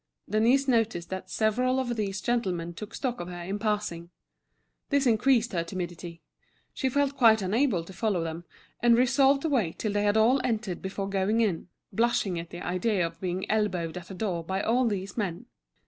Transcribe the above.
Denise noticed that several of these gentlemen took stock of her in passing. This increased her timidity; she felt quite unable to follow them, and resolved to wait till they had all entered before going in, blushing at the idea of being elbowed at the door by all these men.